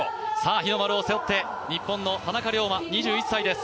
日の丸を背負って日本の田中龍馬２１歳です。